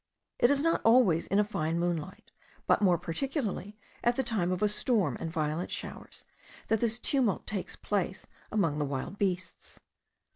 It is not always in a fine moonlight, but more particularly at the time of a storm and violent showers, that this tumult takes place among the wild beasts.